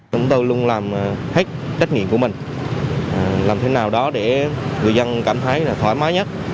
chúng tôi luôn làm hết trách nhiệm của mình làm thế nào đó để người dân cảm thấy thoải mái nhất